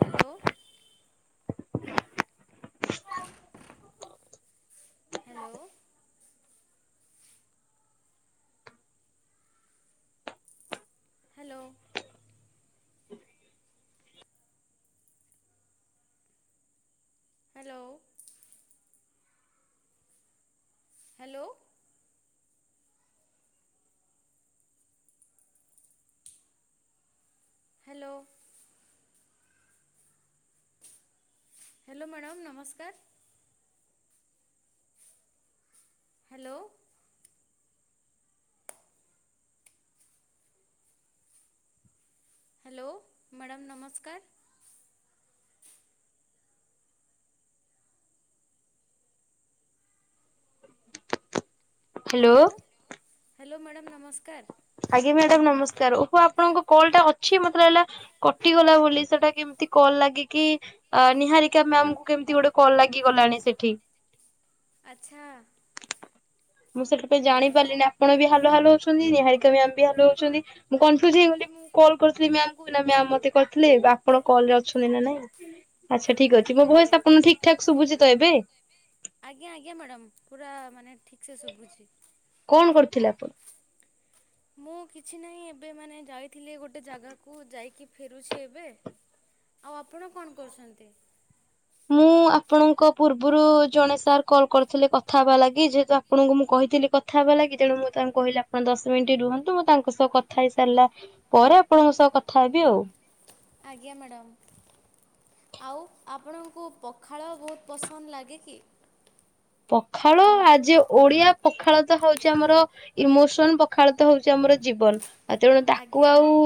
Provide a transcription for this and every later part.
Hello hello hello hello hello hello hello madam ନମସ୍କାର hello hello madam ନମସ୍କାର hello hello madam ନମସ୍କାର ଆଜ୍ଞା madam ନମସ୍କାର ଓହ ଆପଣଙ୍କ କଲ ଟା ଅଛି ମତେ ଲାଗିଲା କଟିଗଲା ବୋଲି ସେଟା କେମତି କଲ୍ ଲାଗିକି ନିହାରିକା ମାମ୍ ଙ୍କୁ କେମତି ଗୋଟେ କଲ ଲାଗିଗଲାଣି ସେଠି। ଆଛା ମୁଁ ସେଇଥିପାଇଁ ଜାଣି ପାରିଲିନି ଆପଣ ବି ହାଲୋ ହୋଉଛନ୍ତି। ଛନ୍ତି ନିହାରିକା ମାମ ବି ହାଲୋ ହୋଉଛନ୍ତି ମୁ କନଫ୍ୟୁଜ୍ ହେଇଗଲି ମୁଁ କଲ କରିଥିଲି ମାମ ଙ୍କୁ ଏନା ମାମ ମତେ କରିଥିଲେ ଆପଣ କଲରେ ଅଛନ୍ତି ନା ନାଇଁ। ଆଚ୍ଛା ଠିକ ଅଛି ଆଜ୍ଞା ମୋ ଆଜ୍ଞା ଭଏଜ୍ ଆପଣ ଙ୍କୁ ଠିକ ଠାକ ଶୁଭୁଛି ତ ଏବେ। ଠିକ ସେ ଶୁଭୁଚି ଥିଲା ପା ମୁଁ କିଛି ନାହିଁ ଏବେ ମାନେ ଯାଇଥିଲି ଗୋଟେ ଜାଗାକୁ ଯାଇକି ଫେରୁଛି ଏବେ ଆଉ ଆପଣ କଣ କରୁଛନ୍ତି? ମୁଁ ଆପଣଙ୍କ ପୂର୍ବରୁ ଜଣେ ସାର୍ କଲ କରିଥିଲେ କଥା ହେବା ଲାଗି ଯେହେତୁ ଆପଣଙ୍କୁ ମୁଁ କହିଥିଲି କଥା ହେବା ଲାଗି ତେଣୁ ମୁଁ ତାଙ୍କୁ କହିଲି ଆପଣ ଦଶ ମିନିଟ ରୁହନ୍ତୁ ମୁଁ ତାଙ୍କ ସହ କଥା ହେଇ ସାରିଲା ପରେ ଆପଣଙ୍କ ସହ କଥା ହେବି ଆଉ। ଆଜ୍ଞା ମାଡ଼ାମ୍ ଆଉ ଆପଣଙ୍କୁ ପଖାଳ ବହୁତ ପସନ୍ଦ ଲାଗେ କି? ପଖାଳ ଆଜି ଓଡିଆ ପଖାଳ ତ ହଉଛି ଆମର ଇମୋସନ ପଖାଳ ତ ହଉଛି ଆମର ଜୀବନ। ତେଣୁ ତାକୁ ଆଉ ଆଜ୍ଞା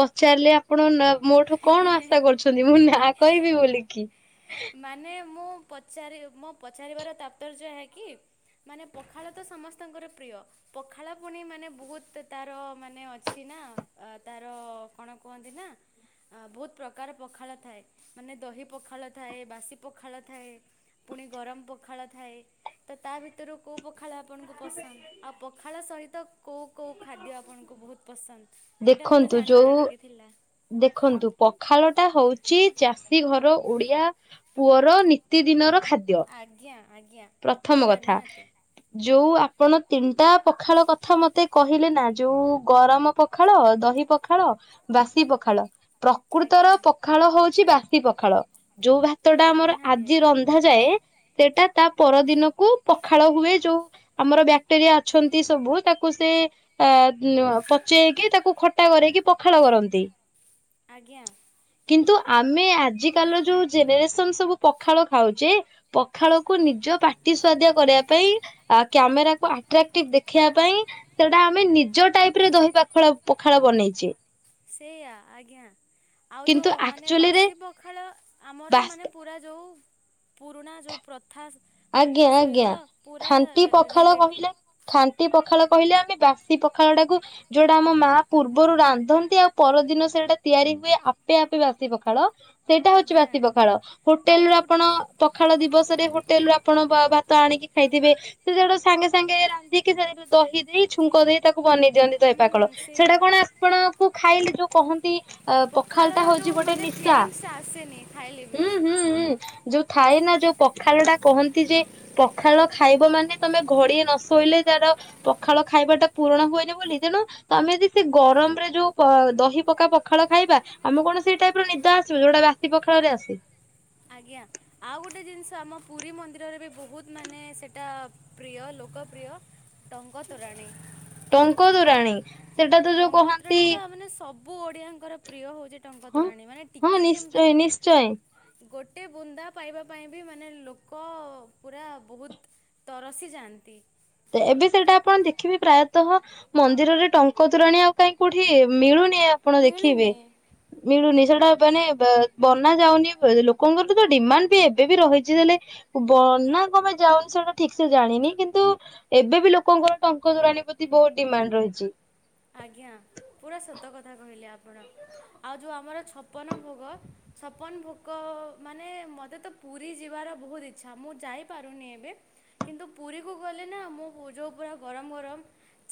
ପଚାରିଲେ ଆପଣ ନ ମୋ ଠୁ କଣ ଆଶା କରୁଛନ୍ତି? ମୁଁ ନାଁ କହିବି ବୋଲିକି। ପଚାରେ ମୋ ପଚାରିବାର ତାପର୍ଯ୍ୟ ଏହା କି ମାନେ ପଖାଳ ତ ସମସ୍ତଙ୍କର ପ୍ରିୟ, ପଖାଳ ପୁଣି ମାନେ ବହୁତ ତାର ମାନେ ଅଛି ନା, ଅ, ତାର କଣ କୁହନ୍ତି ନା? ଅ, ବହୁତ ପ୍ରକାର ପଖାଳ ଥାଏ, ମାନେ ଦହି ପଖାଳ ଥାଏ, ବାସି ପଖାଳ ଥାଏ, ପୁଣି ଗରମ ପଖାଳ ଥାଏ, ତ ତା ଭିତରୁ କୋଉ ପ ଖାଳ ଆପଣଙ୍କୁ ପସନ୍ଦ, ଆଉ ପଖାଳ ସହିତ କୋଉ କୋଉ ଖାଦ୍ୟ ଆପଣଙ୍କୁ ବହୁତ ପସନ୍ଦ? ସେଟା ମୋତେ ଜାଣିବାର ଟିକେ ଥିଲା। ଖନ୍ତୁ ପଖାଳ ଟା ହଉଚି ଚାଷୀ ଘର ଓଡିଆ ପୁଅର ନିତି ଦିନର ଆଜ୍ଞା। ଆଜ୍ଞା ପ୍ରଥମ ପୁରା କଥା ନିହାତି ଯୋଉ ଆ ଆପଣ ତିନିଟା ପଖାଳ କଥା ମୋତେ କହିଲେ ନା ଯୋଉ ଗରମ ପଖାଳ, ଦହି ପଖାଳ, ବାସି ପଖାଳ। ପ୍ରକୃତର ଆଜ୍ଞା ପଖାଳ ହଉଛି ବାସି ପଖାଳ, ଯୋଉ ଭାତ ଟା ପୁରା ଆମର ନିହାତି ଆଜି ଆଜ୍ଞା ରନ୍ଧାଯାଏ ସେଟା ତା ପରଦିନକୁ ପଖାଳ ହୁଏ ଯୋଉ ଆମର ବ୍ୟାକ୍ଟେରିଆ ଅଛନ୍ତି, ସବୁ ତାକୁ ସେ ଅ, ଦୁନୋ-ଅ-ପଚେଇକି ତାକୁ ଖଟା କରେଇକି ପଖାଳ କରନ୍ତି। ଆଜ୍ଞା। କିନ୍ତୁ ଆମେ ଆଜିକାଲିର ଯୋଉ ଜେନେରେସନ୍ ସବୁ ପଖାଳ ଖାଉଚେ, ପଖାଳ କୁ ନିଜ ପାଟି ସୁଆଦିଆ କରିବା ପାଇଁ ଆ କ୍ୟାମେରାକୁ ଆଟ୍ରାକ୍ଟିଭ ଦେଖେଇବା ପାଇଁ ସେଟା ଆମେ ନିଜ ଟାଇପ୍ ରେ ଦହି ପାଖାଳ ପଖାଳ ବନେଇଚେ। ସେଇଆା ଆଜ୍ଞା। ଆଉ ଯୋଉ କିନ୍ତୁ ମାନେ ଆକ୍ଚୁଆଲିରେ ବାସି ପଖାଳ ଆମର ବାସ୍ ମାନେ ପୁରା ଯୋଉ ପୁରୁଣା ଯୋଉ ପ୍ର ଆଜ୍ଞା ଆଜ୍ଞା ଖାଣ୍ଟି ପଖାଳ ରିଲେଟ୍ କହିଲେ ଖାଣ୍ଟି ପଖାଳ କହିଲେ ଆମେ ବାସି ସି ପଖାଳଟାକୁ ଯୋଉଟା ଆମ ମା ପୂର୍ବରୁ ରାନ୍ଧନ୍ତି ଆଉ ପରଦିନ ସେଇଟା ତିଆରି ହୁଏ ଆପେ ଆପେ ବାସି ପଖାଳ ସେଇଟା ହଉଚି ଆଜ୍ଞା ବାସି ପଖାଳ, ହୋଟେଲ୍ ଆଉ ରୁ ଯୋଉ ଆପଣ ପଖାଳ ଦିବସରେ ହୋ ଆପଣ ବ-ଭାତ ଆଣିକି ଖାଇଥିବେ ସେଟା ଗୋଟେ ସାଙ୍ଗେ ସାଙ୍ଗେ ରାନ୍ଧିକି ସେ ଦହି ଦେଇ ଛୁଙ୍କ ଦେଇ ତାକୁ ବନେଇ ଦିଅନ୍ତି ଦହି ହୁଁ ପାକଳ, ସେଇଟା ସେଇଆ କଣ ଆପଣଙ୍କୁ ଖାଇଲେ ଯୋଉ କହନ୍ତି ଅ, ପଖାଳ ପଖାଳର ଟା ହଉଚି ଯୋଉ ଗୋଟେ ମାନେ ନିଶା, ଫିଲିଙ୍ଗସ୍ ଟା ଆସେନି ଖାଇଲେ ବି। ହୁଁ, ହୁଁ, ହୁଁ, ଯୋଉ ଥାଏ ନା ଯୋଉ ପଖାଳ ଟା କହନ୍ତି ଯେ ପଖାଳ ଖାଇବ ମାନେ ତୋମେ ଘଡିଏ ନ ଶୋଇଲେ ତାର ପଖାଳ ଖାଇବାଟା ପୂରଣ ହୁଏନି ବୋଲି, ତେଣୁ ତୋମେ ଯଦି ସେ ଗରମରେ ଯୋଉ ପ- ଦହି ପକା ପଖାଳ ଖାଇବା ଆମେ କଣ ସେ ଟାଇପ୍ ର ନିଦ ଆସିବ ଯୋଉଟା ବାସି ପଖାଳ ରେ ଆସେ। ଆଜ୍ଞା ଆଉ ଗୋଟେ ଜିନିଷ ଆମ ପୁରୀ ମନ୍ଦିରରେ ବି ବହୁତ ମାନେ ସେଟା ପ୍ରିୟ ଲୋକପ୍ରିୟ ଟଙ୍କତୋରାଣୀ। ଟଙ୍କ ତୋରାଣୀ। ସେଟା ତ ଯୋଉ କହନ୍ତି ବୁ ଓଡିଆଙ୍କର ପ୍ରିୟ ହଉଚି। ଟଙ୍କା ହଁ ତୋରାଣି ମାନେ ହଁ ଟିକେ କେମିତି ନିଶ୍ଚୟ ନିଶ୍ଚୟ ଗୋ ଟେ ବୁନ୍ଦା ପାଇବା ପାଇଁ ବି ମାନେ ଲୋକ ପୁରା ବହୁତ ତରସି ଯାଆନ୍ତି। ତ ଏବେ ସେଇଟା ଆପଣ ଦେଖିବେ ପ୍ରାୟତଃ ମନ୍ଦିରରେ ଟଙ୍କ ତୋରାଣି ଆଉ କାହିଁ କୋଉଠି ମିଳୁ ନି ଆପଣ ଦେଖିବେ ମିଳୁନି ମିଳୁନି ସେ ଟ ବନେ-ବ-ବନା ଯାଉନି ବ-ଲୋକଙ୍କର ତ ଡିମାଣ୍ଡ ବି ଏବେ ବି ରହିଚି, ତାଲେ ବନା କଣ ପାଇଁ ଯାଉନି ସେଟା ଠିକ ସେ ଜାଣିନି କିନ୍ତୁ ଏବେ ବି ଲୋକଙ୍କର ଟଙ୍କ ଦୋରାଣି ପ୍ରତି ବହୁତ ଡିମାଣ୍ଡ ରହିଚି। ଆଜ୍ଞା ପୁରା ସତ କଥା କହିଲେ ଆପଣ, ଆଉ ଯୋଉ ଆମର ଛପନ ଭୋଗ ଛପନ ଭୁଗ ମାନେ ମୋତେ ତ ପୁରୀ ଯିବାର ବହୁତ ଇଚ୍ଛା ମୁଁ ଯାଇପାରୁନି ଏବେ, କିନ୍ତୁ ପୁରୀକୁ ଗଲେ ନା ମୁଁ ଯୋଉ ପୁରା ଗରମ ଗରମ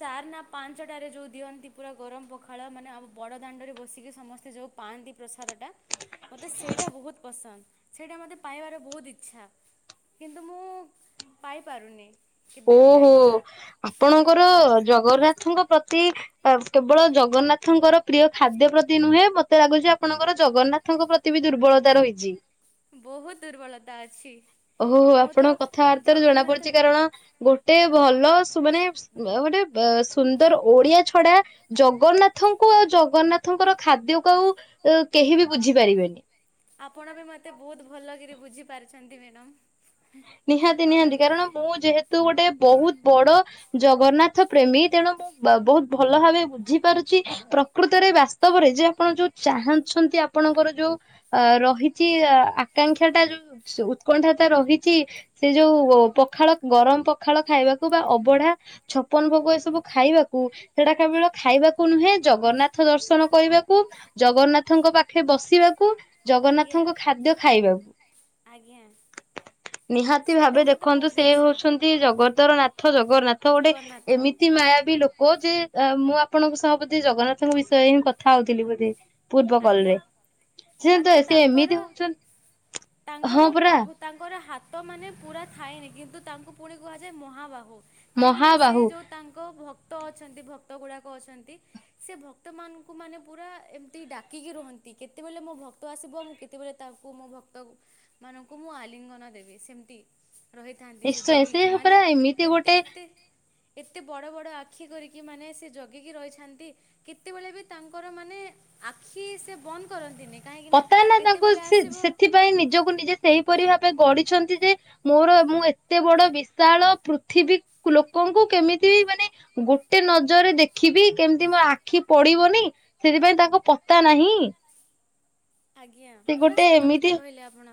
ଚାର ନା ପାଞ୍ଚଟାରେ ଯୋଉ ଦିଅନ୍ତି ପୁରା ଗରମ ପଖାଳ ମାନେ ଆମ ବଡ଼ ଦାଣ୍ଡରେ ବସିକି ସମସ୍ତେ ଯୋଉ ପାଆନ୍ତି ପ୍ରସାଦଟା, ମୋତେ ସେଇଟା ବହୁତ ପସନ୍ଦ, ସେଇଟା ମୋତେ ପାଇବାର ବହୁତ ଇଚ୍ଛା, କିନ୍ତୁ ମୁଁ ପାଇପାରୁନି। କେବେ ବି ଓହୋ ଯାଇକି। ଆପଣଙ୍କର ଜଗନ୍ନାଥଙ୍କ ପ୍ରତି କେବଳ ଜଗନ୍ନାଥଙ୍କର ପ୍ରିୟ ଖାଦ୍ୟ ପ୍ରତି ନୁହେଁ ମତେ ଲାଗୁଛି ଆପଣଙ୍କର ଜଗନ୍ନାଥଙ୍କ ପ୍ରତି ବି ଦୁର୍ବଳତା ରହିଛି। ବହୁତ ଦୁର୍ବଳତା ଅଛି ଓହୋ ମୁଁ ତ ଆପଣଙ୍କ କଥାବାର୍ତ୍ତାରୁ ଜଣା ଜଗନ୍ନାଥ ପଡୁଛି କାରଣ ଗୋଟେ ଭଲ ମାନେ ଗୋଟେ ସୁନ୍ଦର ଓଡିଆ ଛଡା ଜଗନ୍ନାଥଙ୍କୁ ଆଉ ଜଗନ୍ନାଥଙ୍କର ଖାଦ୍ୟକୁ ଆଉ କେହି ବି ବୁଝିପାରିବେନି। ଆପଣ ବି ମତେ ବହୁତ ଭଲ ବୁଝି ପାରିଛନ୍ତି ମ୍ୟାଡ଼ମ ନିହାତି ନିହାନ୍ତି କାରଣ ମୁଁ ଯେହେତୁ ଗୋଟେ ବହୁତ ବଡ ଜଗନ୍ନାଥ ପ୍ରେମୀ ତେଣୁ ମୁଁ ବହୁତ ଭଲ ଭାବେ ବୁଝିପାରୁଛି ପ୍ରକୃତରେ ବାସ୍ତବରେ ଯେ ଆପଣ ଯୋଉ ଚାହୁଁଛନ୍ତି ଆପଣଙ୍କର ଯୋଉ ଅ ରହିଛି ଆକାଂକ୍ଷା ଟା ଯୋଉ ଉତ୍କଣ୍ଠାଟା ରହିଛି। ସେ ଯୋଉ ପଖାଳ ଗରମ ପଖାଳ ଖାଇବାକୁ ବା ଅବଢା ଛପନ ଭୋଗ ଏ ସବୁ ଖାଇବାକୁ ସେଟା କେବଳ ଖାଇବାକୁ ନୁହେଁ ଜଗନ୍ନାଥ ଦର୍ଶନ କରିବାକୁ ଜଗନ୍ନାଥଙ୍କ ପାଖେ ବସିବାକୁ ଆଜ୍ଞା ଜଗନ୍ନାଥଙ୍କ ଖାଦ୍ୟ ଖାଇବାକୁ ଆଜ୍ଞା ନିହାତି ସେଇଟା ଭାବେ ମୋତେ ଦେଖନ୍ତୁ ବହୁତ ସେ ଇଚ୍ଛା ହଉଛନ୍ତି ଜଗତର ନାଥ ଜଗନ୍ନାଥ ଗୋଟେ ଜଗନ୍ନାଥ। ଏମିତି ମାୟାାବି ଲୋକ ଯେ ମୁଁ ଆପଣଙ୍କ ସହ ବୋଧେ ଜଗନ୍ନାଥଙ୍କ ବିଷୟରେ ହିଁ କଥା ହଉଥିଲି ବୋଧେ। ପୂର୍ବ ଆଜ୍ଞା କଲରେ ସେ ତ ମାନେ ସେ ଏମିତି ତାଙ୍କର ହଉଛନ୍ତି ହଁ ପରା ତ ମାନେ ପୁରା ଥାଏନି କିନ୍ତୁ ତାଙ୍କୁ ପୁଣି କୁହାଯାଏ ମହାବାହୁ। କାହିଁକି ନା ସେ ମହାବାହୁ ଯୋଉ ତାଙ୍କ ଭକ୍ତ ଅଛନ୍ତି ଭତ ଭକ୍ତ ଗୁଡାକ ଅଛନ୍ତି ସେ ଭକ୍ତ ମଙ୍କୁ ମାନେ ପୁରା ଏମତି ଆାକିକି ରୁହନ୍ତି କେତେବେଳେ ମୋ ଭକ୍ତ ଆସିବ ମୁଁ କେତେବେଳେ ତାକୁ ମୋ ଭକ୍ତ ମାନଙ୍କୁ ମୁଁ ଆଲିଙ୍ଗନ ଦେବି ସେମିତି ରହିଥାନ୍ତି ସେ ନିଶ୍ଚୟ ଜଗିକି ମାନେ ପରା ଏମିତି ଏତେ ଗୋଟେ ଏତେ ଏତେ ବଡ ବଡ ଆଖି କରିକି ମାନେ ସେ ଜଗିକି ରହିଥାନ୍ତି କେତେବେଳେ ବି ତାଙ୍କର ମାନେ କି ସେ ବନ୍ଦ କରନ୍ତିନି। କାହିଁକିନା ପତା ନା ତାଙ୍କୁ କେତେବେଳେ ସେ ଆସିବ ସେଥିପାଇଁ ନିଜକୁ ନିଜେ ସେହିପରି ଭାବେ ଗଡି। ଛନ୍ତି ଯେ ମୋର ମୁଁ ଏତେ ବଡ ବିଶାଳ ପୃଥିବୀ ଲୋକଙ୍କୁ କେମିତି ମାନେ ଗୋଟେ ନଜରରେ ଦେଖିବି କେମିତି ମୋ ଆଖି ପଡିବନି ସେଥିପାଇଁ ତାକୁ ପତା ନାହିଁ ଆଜ୍ଞା ସେ ପୁରା ଗୋଟେ ସତ କଥା ଏମିତି କହିଲେ ଆପଣ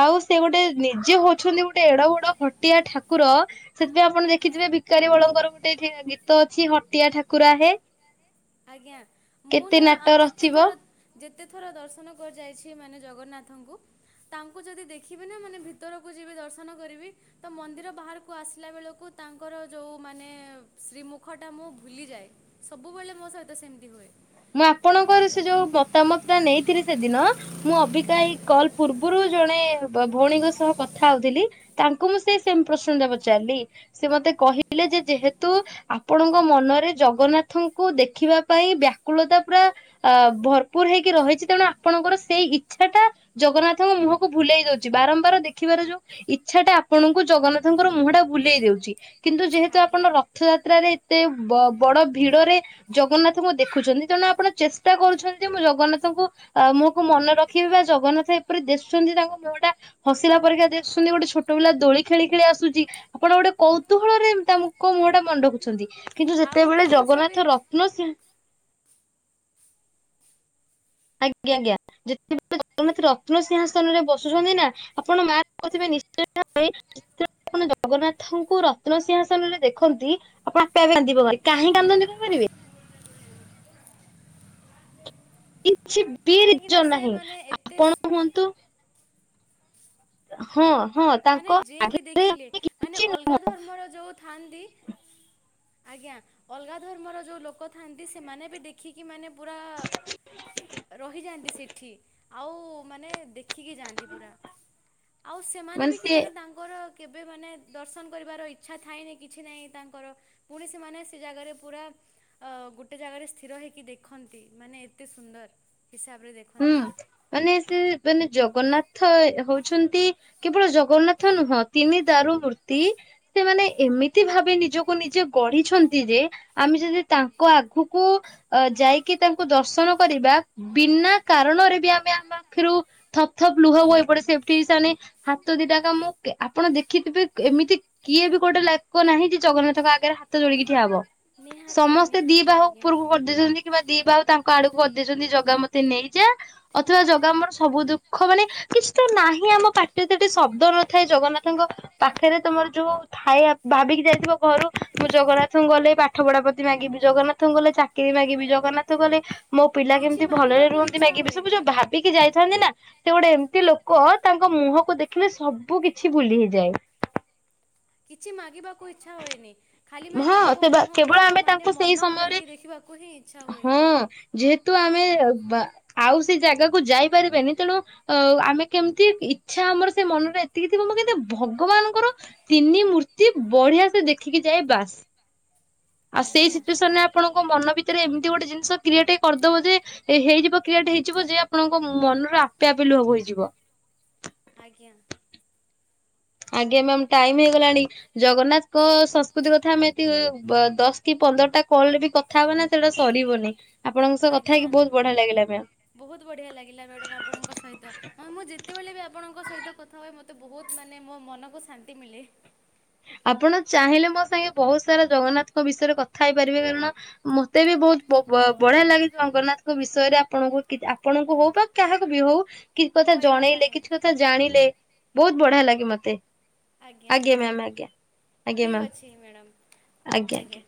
ଆଉ ସେ ଗୋଟେ ନିଜେ ହଉଛନ୍ତି ଗୋଟେ ଗୋଟେ ଏଡ ବଡ ଖଟିଆ ଠାକୁର ସେଥିପାଇଁପଣ ଆଜ୍ଞା ଦେଖିଥେ ବିକାରୀଳଙ୍କର ଗୋଟେଇଠିଆ ଗୀତ ତ ଅଛି ହଟିଆ ଠାକୁରା ହେ ଆଜ୍ଞା ମୁଁ କେତେ ନା ଆଉ ନାଟ ଯେତେ ରଚିବ ଥର ଯେ କେତେ ଥର ଦର୍ଶନ କରି ଯାଇଛି ମାନେ ଜଗନ୍ନାଥଙ୍କୁ ତାଙ୍କୁ ଯଦି ଦେଖିବି ନା ମାନେ ଭିତରକୁ ଯିବି ଦର୍ଶନ କରିବି ତ ମନ୍ଦିର ବାହାରକୁ ଆସିଲା ବେଳକୁ ତାଙ୍କର ଯଉ ମାନେ ଶ୍ରୀମୁଖଟା ମୁଁ ଭୁଲି ଯାଏ ସବୁବେଳେ ମୋ ସହିତ ସେମିତି ହୁଏ। ମୁଁ ଆପଣଙ୍କର ସେ ଯୋଉ ମତାମତ ଟା ନେଇଥିଲି ସେଦିନ ମୁଁ ଅବିକା ଏଇ କଲ ପୂର୍ବରୁ ଜଣେ ଭ-ଭଉଣୀଙ୍କ ସହ କଥା ହଉଥିଲି ତାଙ୍କୁ ମୁଁ ସେ ସେମ ପ୍ରଶ୍ନଟା ପଚାରିଲି ସେ ମତେ କହିଲେ ଯେ ଯେହେତୁ ଆପଣଙ୍କ ମନରେ ଜଗନ୍ନାଥଙ୍କୁ ଦେଖିବା ପାଇଁ ବ୍ୟା କୁୂଳତା ପୁରା ଅ ଭରପୁର ହେଇକି ରହିଛି ତେଣୁ ଆପଣଙ୍କର ସେଇ ଇଚ୍ଛା ଟା ଜଗନ୍ନାଥଙ୍କ ମୁହଁକୁ ଭୁଲେଇ ଦଉଛି ବାରମ୍ବାର ଦେଖିବାର ଯୋଉ ଇଚ୍ଛାଟା ଆପଣଙ୍କୁ ଜଗନ୍ନାଥଙ୍କର ମୁହଁ ଟା ଭୁଲେଇ ଦଉଛି- କିନ୍ତୁ ଯେହେତୁ ଆଜ୍ଞା ଆପଣ ରଥଯାତ୍ରାରେ ଏତେ ବ-ବଡ ଭିଡରେ ଜଗନ୍ନାଥ ଙ୍କୁ ଦେଖୁଛନ୍ତି ତେଣୁ ଆପଣ ଚେଷ୍ଟା କରୁଛନ୍ତି ଯେ ମୁଁ ଜଗନ୍ନାଥଙ୍କୁ ମୁହକୁ ମନେ ରଖିବି ବା ଜଗନ୍ନାଥ ଏପରି ଦେଶୁଛନ୍ତି ତାଙ୍କ ମୁହଁ ଟା ହସିଲା ପରିକା ଦିଶୁଛନ୍ତି ଗୋଟେ ଛୋଟ ପିଲା ଦୋଳି ଖେଳି ଖେଳି ଆସୁଛି ଆପଣ ଗୋଟେ କୌତୁହଳ ରେ ତାଙ୍କ ମୁହଁ ଟା ମନେ ରଖୁଛନ୍ତି। କିନ୍ତୁ ଆଉ ଗୋଟେ ଯେତେବେଳେ ଜିନିଷ ବି ଜଗନ୍ନାଥ ରତ୍ନସିଂହ ଆଜ୍ଞା ଆଜ୍ଞା ଯେତେବେଳେ ଜଗନ୍ନାଥ ରତ୍ନସିିଂହାସନରେ ବସୁଛନ୍ତି ନା ଆପଣ ମାର୍କ କରିଥିବେ ନିଶ୍ଚୟ ଭାବେ ଆପଣ ଜଗନ୍ନାଥଙ୍କୁ ରତ୍ନସିିଂହାସନ ରେ ଦେଖନ୍ତି ଆପଣ ଆପେ ଆପେ କାନ୍ଦି ପକାନ୍ତି କାହିଁ କାନ୍ଦନ୍ତି କହିପାରିବେ। ସେ [inaudible] ପ୍ରି କାହିଁକିନା ରିଜନ ସେ ନାହିଁ ମାନେ ଏତେ ଆପଣ କୁହନ୍ତୁ ହଁ ମାନେ ତାଙ୍କ ଯିଏ ବି ଆଗରେ ଦେଖିଲେ ଆମେ ମାନେ କିଛି ନ ଅଲଗା ଧର୍ମର ଯୋଉ ଥାଆନ୍ତି ଆଜ୍ଞା ଅଲଗା ଧର୍ମର ଯୋଉ ଲୋକ ଥାନ୍ତି ସେମାନେ ବି ଦେଖିକି ମାନେ ପୁରା ରହିଯାଆନ୍ତି ସେଠି ଆଉ ମାନେ ଦେଖ ଦେଖିକି ଯାଆନ୍ତି ପୁରା ଆଉ ସେମାନେ ମାନେ ବି ସେ କିଜାଣି ତାଙ୍କର କେବେ ମାନେ ଦର୍ଶନ କରିବାର ଇଚ୍ଛା ଥାଏନି କିଛି ନାହିଁ ତାଙ୍କର ପୁଣି ସେ ମାନେ ସେ ଜାଗାରେ ପୁରା ଅ ଗୋଟେ ଜାଗାରେ ସ୍ଥିର ହେଇକି ଦେଖନ୍ତି ମାନେ ଏତେ ସୁନ୍ଦର ହିସାବରେ ହୁଁ ଦେଖନ୍ତି ମାନେ ସେ ମାନେ ଜଗନ୍ନାଥ ଥଏ ହଉଛନ୍ତି କେବଳ ଜଗନ୍ନାଥ ନୁହଁ ତିନି ଦାରୁ ମୂର୍ତ୍ତି ସେମାନେ ଏମିତି ଭାବେ ନିଜକୁ ନିଜେ ଗଢିଛନ୍ତି ଯେ ଆମେ ଯଦି ତାଙ୍କ ଆଗକୁ ଯାଇକି ତାଙ୍କୁ ଦର୍ଶନ କରିବା ବିନା କାରଣରେ ବି ଆମେ ଆମ ଆଖିରୁ ଥପ ଥପ ଲୁହ ବହିପଡେ ଏପଟେ ସେମାନେ ହାତ ଦିଟାକ ମୁଁ ଆପଣ ଦେଖିଥିବେ ଏମିତି କିଏ ବି ଗୋଟେ ଲାଗ ନାହିଁ ଯେ ଜଗନ୍ନାଥଙ୍କ ଆଗରେ ହାତ ଯୋଡିକି ଠିଆ ହବ ନିହାତି ସମସ୍ତେ ଦି ନିହାତି ବାହୁ ଆଜ୍ଞା। ଉପରକୁ କରିଦେଇଛନ୍ତି କିମ୍ବା ଦି ବାହୁ ତାଙ୍କୁ ଆଡକୁ କରିଦେଇଛନ୍ତି ଜଗା ମତେ ନେଇ ଯ ଅଥବା ଜଗା ଆମର ସବୁ ଦୁଃଖ ମାନେ କିଛି ତ ନାହିଁ ଆମ ପାଟିରେ ତଠେ ଶବ୍ଦ ନଥାଏ ଜଗନ୍ନାଥଙ୍କ ପାଖରେ ତମର ଯୋଉ ଥାଏ ଭାବିକି ଯାଇଥିବ ଘରୁ ମୁଁ ଜଗନ୍ନାଥଙ୍କୁ ଗଲେ ପାଠ ପଢାପତି ମାଗିବି ଜଗନ୍ନାଥଙ୍କୁ ଗଲେ ଚାକିରୀ ମାଗିବି ଜଗନ୍ନାଥଙ୍କୁ ଗଲେ ମୋ ପିଲା କିଛି କେମିତି ଭଲରେ ମାଗିବାକୁ ରୁହନ୍ତି ଇଚ୍ଛା ମାଗିବି ସବୁ ହୁଏନି ଯୋଉ ଭାବିକି ଯାଇଥାଏ ନା ସେ ଗୋଟେ ଏମତି ଲୋକ ତାଙ୍କ ମୁହଁକୁ ଦେଖିଲେ ସବୁ କିଛି ଭୁଲି ହେଇଯାଏ କିଛି ମାଗିବାକୁ ଇଚ୍ଛା ହୁଏନି ଖାଲି ମାନେ ହଁ ତାଙ୍କ ସେ ମୁହଁକୁ କେବଳ ଆମେ ମାନେ ତାଙ୍କୁ ସେଇ ମନ ସମୟରେ ଭରିକି ଦେଖିବାକୁ ହିଁ ଇଚ୍ଛା ହୁଏ ହଁ ଯେହେତୁ ଆମେ ବା ଆଉ ସେ ଜାଗାକୁ ଯାଇପାରିବେନି ତେଣୁ ଅ-ଆମେ କେମିତି ଇଛା ଆମର ସେ ମନରେ ଏତିକି ଥିବ ମୁଁ କିନ୍ତୁ ଭଗବାନଙ୍କର ତିନି ମୂର୍ତ୍ତି ବଢିଆ ସେ ଦେଖିକି ଯାଏ ବାସ୍। ଆଉ ସେଇ ଆଜ୍ଞା ସିଚୁଏସନ ରେ ଆପଣଙ୍କ ମନ ଭିତରେ ଏମିତି ଗୋଟେ ଜିନିଷ କ୍ରିଏଟ ହେଇ କରିଦବ ଯେ ହେଇଯିବ କ୍ରିୟଟ ହେଇଯିବ ଯେ ଆପଣଙ୍କ ମନରେ ଆପେ ଆପେ ଲୁହ ବୋହିଯିବ। ଆଜ୍ଞା ଆଜ୍ଞା ମ୍ୟାମ୍ ଟାଇମ୍ ହେଇଗଲାଣି ଜଗନ୍ନାଥଙ୍କ ସଂସ୍କୃତି କଥା ଆମେ ଏତେ ଦଶ କି ପନ୍ଦରଟା କଲ୍ ରେ ବି କଥା ହବା ନା ସେଟା ସରିବନି। ଆପଣଙ୍କ ସହ କଥା ଆଜ୍ଞା ହେଇକି ବହୁତ ବଢିଆ ଲାଗିଲା ମ୍ୟାମ। ବହୁତ ବଢିଆ ଲାଗିଲା ମ୍ୟାଡାମ୍ ଆପଣଙ୍କ ସହିତ ମ୍ୟାମ୍ ମୁଁ ଯେତେବେଳେ ବି ଆପଣଙ୍କ ସହିତ କଥା ହୁଏ ମ ତ ବହୁତ ମାନେ ମୋ ମନକୁ ଶାନ୍ତି ମିଳେ। ଆପଣ ଚାହିଁଲେ ମୋ ସାଙ୍ଗେ ବହୁତ ସାରା ଜଗନ୍ନାଥଙ୍କ ବିଷୟରେ କଥା ହେଇପାରିବେ ମ୍ୟାମ୍ ମତେ ବି ବହୁତ ବଢିଆ ଲାଗେ ଜଗନ୍ନାଥଙ୍କ ବିଷୟରେ ଆପଣଙ୍କୁ କି ଆପଣଙ୍କୁ ହଉ ବା କାହାକୁ ବି ହଉ କିଛି କଥା କହିବା ପାଇଁ ଜଣେଇଲେ କିଛି କଥା ଜାଣିଲେ ବହୁତ ବଢିଆ ଲାଗେ ମତେ। ଆଜ୍ଞା ମ୍ୟାମ୍ ଆଜ୍ଞା। ଆଜ୍ଞା ଠିକ୍ ମ୍ୟାମ୍ ଅଛି ମ୍ୟାଡ଼ମ୍ [inaudible] ଆଜ୍ଞା।